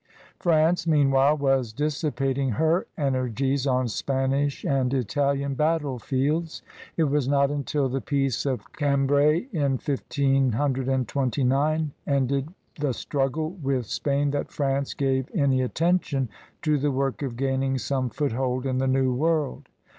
France, mean while, was dissipating her energies on Spanish and Italian battlefields. It was not until the peace of Cambrai in 1529 ended the struggle with 15 16 CRUSADERS OF NEW FRANCE Spain that France gave any attention to the work of gainmg some foothold in the New World.